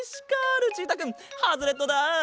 ルチータくんハズレットだ。